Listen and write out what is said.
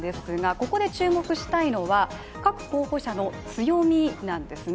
ここで注目したいのは各候補者の強みなんです。